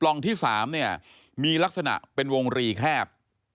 ลองที่๓เนี่ยมีลักษณะเป็นวงรีแคบ